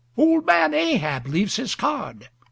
"Old man Ahab leaves his card.